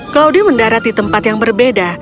claudie mendarat di tempat yang berbeda